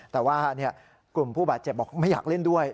แต่ว่ากลุ่มผู้บาดเจ็บบอกไม่อยากเล่นด้วย